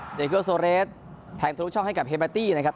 สเตคิลโซเลสแทงทุนุช่องให้กับเฮมาตี้นะครับ